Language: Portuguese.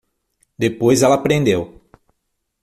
Depois ela aprendeu